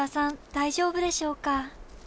大丈夫でしょうか？